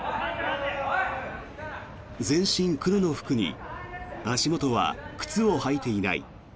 全身黒の服に足元は靴を履いていない。